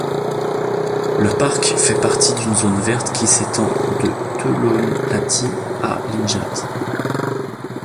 Le parc fait partie d’une zone verte qui s’étend de Töölönlahti à Linjat.